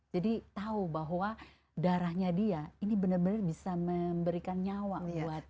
jadi tahu bahwa darahnya dia ini benar benar bisa memberikan nyawa buat orang lain